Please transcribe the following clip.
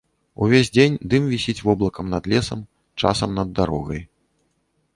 Увесь дзень дым вісіць воблакам над лесам, часам над дарогай.